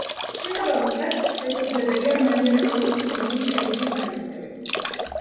შესაბამისად, შესაძლებელია მანიაკალური სინდრომის შემდეგი ვარიანტები.